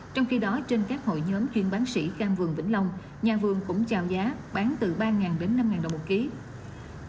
trong khi đó trên các hội nhóm chuyên bán sỉ cam vườn vĩnh long nhà vườn cũng chào giá bán từ ba đến năm đồng một kg